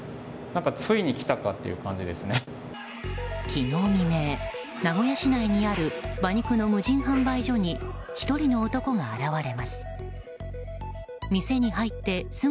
昨日未明、名古屋市内にある馬肉の無人販売所に１人の男が現れます。